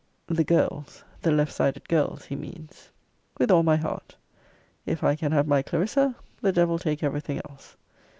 The girls, the left sided girls, he means. With all my heart. If I can have my Clarissa, the devil take every thing else.